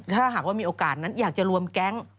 ถ้าหากว่ามีโอกาสนั้นอยากจะรวมแก๊ง